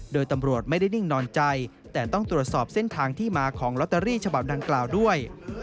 โดยตำรวจไม่ได้นิ่งนอนใจแต่ต้องตรวจสอบเส้นทางที่มาของลอตเตอรี่ฉบับดังกล่าวด้วย